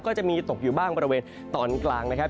ก็จะมีตกอยู่บ้างบริเวณตอนกลางนะครับ